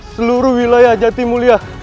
seluruh wilayah jati mulia